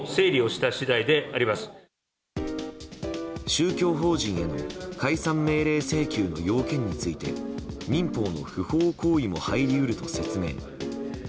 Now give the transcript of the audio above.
宗教法人への解散命令請求の要件について民法の不法行為も入り得ると説明。